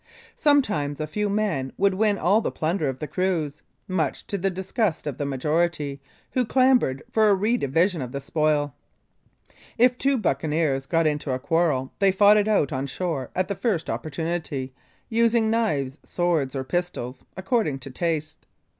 Sometimes a few men would win all the plunder of the cruise, much to the disgust of the majority, who clamored for a redivision of the spoil. If two buccaneers got into a quarrel they fought it out on shore at the first opportunity, using knives, swords, or pistols, according to taste.